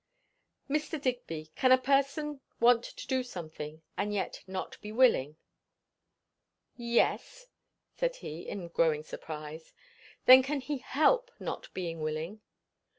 "Mr. Digby, can a person want to do something, and yet not be willing?" "Yes," said he, in growing surprise. "Then, can he help not being willing?"